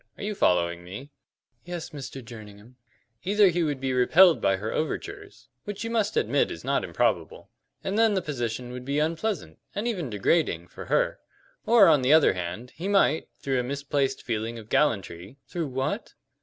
Are you following me?" "Yes, Mr. Jerningham." "Either he would be repelled by her overtures, which you must admit is not improbable, and then the position would be unpleasant, and even degrading, for her; or, on the other hand, he might, through a misplaced feeling of gallantry " "Through what?"